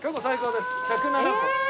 １０７個。